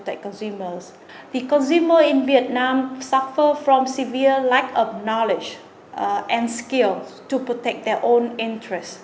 các công ty truyền thông báo không phải tìm hiểu về cơ hội sách trị